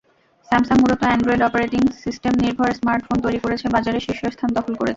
Samsung মূলত Android operating সিস্টেমনির্ভর smartphone তৈরি করেছে বাজারের শীর্ষস্থান দখল করেছে।